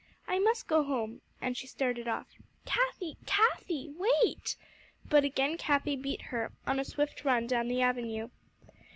"I must go home " and she started off. "Cathie Cathie, wait," but again Cathie beat her on a swift run down the avenue.